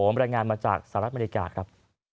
บรรยายงานมาจากสหรัฐอเมริกาครับ